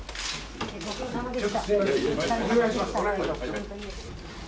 ご苦労さまでした。